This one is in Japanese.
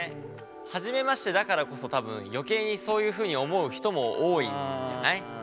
初めましてだからこそ多分余計にそういうふうに思う人も多いんじゃない。